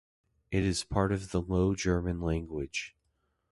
It is part of the Low German language.